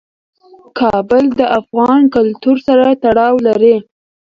کابل د افغان کلتور سره تړاو لري.